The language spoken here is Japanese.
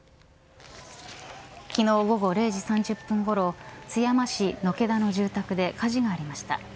昨日、午後０時３０分ごろ津山市野介代の住宅で火事がありました。